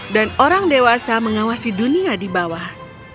dan orang dewasa mengawasi dunia di bawah